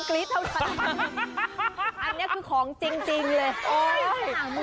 ใกล้เปี๊ยบตรงฝ้าเพดาน